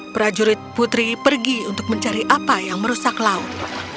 prajurit putri pergi untuk mencari apa yang merusak laut